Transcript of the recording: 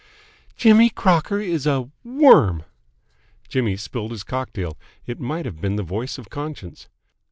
"Jimmy Crocker is a WORM!" Jimmy spilled his cocktail. It might have been the voice of Conscience.